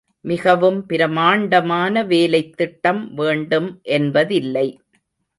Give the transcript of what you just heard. மிகவும் பிரம்மாண்டமான வேலைத் திட்டம் வேண்டும் என்பதில்லை.